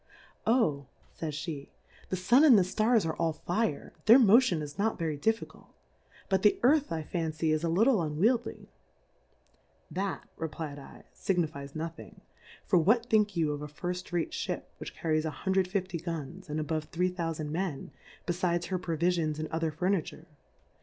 Oh, fays pe^ the Sun and the Stars are all Fire, their Motion is not verv difficult ; but the Earth I fan cy, is a little unweildy. That, re^lfd 7, figniiies nothing; for what think you of ^ Firft Rate Ship, which car ries 1 50 Guns, and above 3000 Men, befides her Provifions and other Furni ture